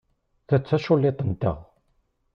Ta d taculliḍt-nteɣ.